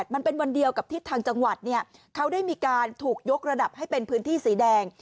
มันเป็นวันเดียวกับที่ทางจังหวัดเขาได้มีการถูกยกระดับให้เป็นพื้นที่สีแดง